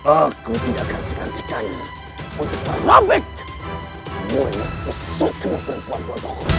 aku tidak akan sekansikan untuk merabik mulut busukmu terpampu